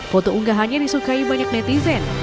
foto unggahannya disukai banyak netizen